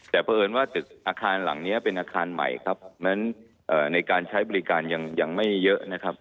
แต่เพราะเอิญว่าตึกอาคารหลังนี้เป็นอาคารใหม่ครับฉะนั้นในการใช้บริการยังไม่เยอะนะครับ